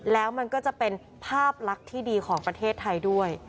แล้วมันก็จะเป็นภาพลักษณ์ที่ดีของประเทศไทยด้วย